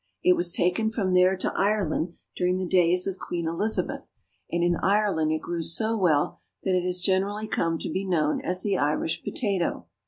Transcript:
It was taken from there to Ireland during the days of Queen Elizabeth, and in Ireland it grew so well that it has generally come to be known as the Irish potato.